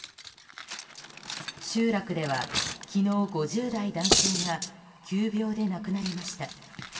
集落では昨日、５０代男性が急病で亡くなりました。